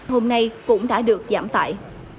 hôm nay cũng đã được giảm tại